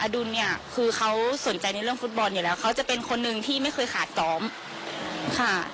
ดุลเนี่ยคือเขาสนใจในเรื่องฟุตบอลอยู่แล้วเขาจะเป็นคนนึงที่ไม่เคยขาดซ้อมค่ะ